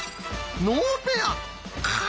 ノーペア？か！